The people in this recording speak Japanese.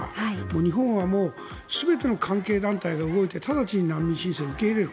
日本はもう全ての関係団体が動いて直ちに難民申請を受け入れる。